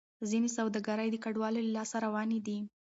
ځینې سوداګرۍ د کډوالو له لاسه روانې دي.